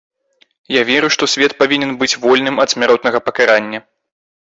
Я веру, што свет павінен быць вольным ад смяротнага пакарання.